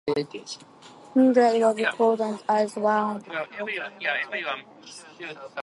Taygetus was important as one of Sparta's natural defenses.